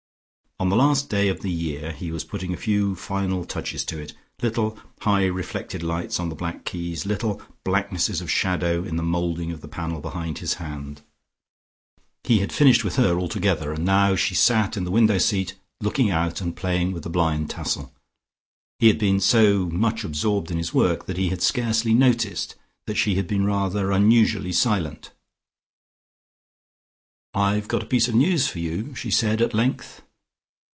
On the last day of the year he was putting a few final touches to it, little high reflected lights on the black keys, little blacknesses of shadow in the moulding of the panel behind his hand. He had finished with her altogether, and now she sat in the window seat, looking out, and playing with the blind tassel. He had been so much absorbed in his work that he had scarcely noticed that she had been rather unusually silent. "I've got a piece of news for you," she said at length.